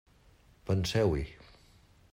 Penseu-hi.